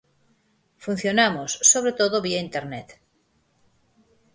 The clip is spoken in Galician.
Funcionamos, sobre todo vía internet.